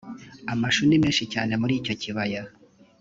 amashu ni menshi cyane muri icyo kibaya